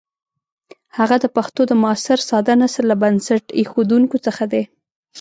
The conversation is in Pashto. هغه د پښتو د معاصر ساده نثر له بنسټ ایښودونکو څخه دی.